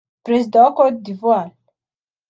Perezida wa Côte d’Ivoire